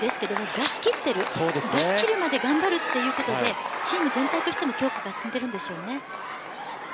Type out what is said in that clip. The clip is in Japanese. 出し切るまで頑張るということでチーム全体としても強化が進んでいるんでしょうね。